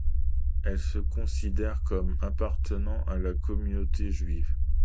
Elle se considère comme appartenant à la communauté juive.